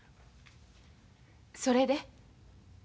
それで？